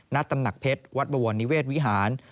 ตำหนักเพชรวัดบวรนิเวศวิหาร